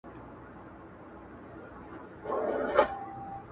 • د کلي خلک د موټر شاوخوا راټولېږي او ګوري..